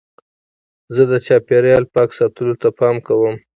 زه د چاپېریال پاک ساتلو ته پام کوم.